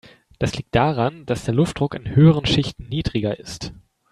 Das liegt daran, dass der Luftdruck in höheren Schichten niedriger ist.